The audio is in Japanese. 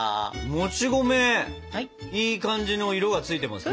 もち米いい感じの色が付いてますね。